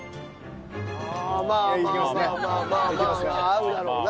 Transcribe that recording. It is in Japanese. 合うだろうな。